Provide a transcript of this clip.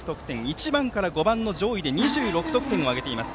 １番から５番の上位で２６得点を挙げています。